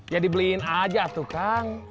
ya dibeliin aja tuh kang